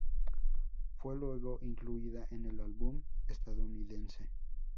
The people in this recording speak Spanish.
Fue luego incluida en el álbum estadounidense.